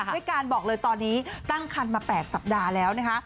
ด้วยการบอกเลยตอนนี้ตั้งคันมา๘สัปดาห์แล้วนะคะ